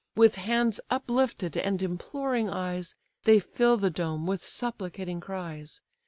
With hands uplifted and imploring eyes, They fill the dome with supplicating cries.